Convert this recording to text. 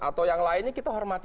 atau yang lainnya kita hormati